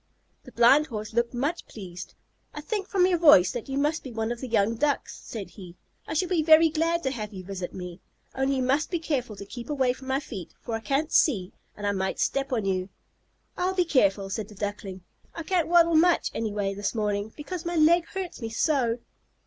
The Blind Horse looked much pleased. "I think from your voice that you must be one of the young Ducks," said he. "I shall be very glad to have you visit me, only you must be careful to keep away from my feet, for I can't see, and I might step on you." "I'll be careful," said the Duckling. "I can't waddle much anyway this morning, because my leg hurts me so."